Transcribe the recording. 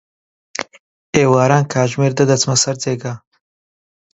ئێواران، کاتژمێر دە دەچمە سەر جێگا.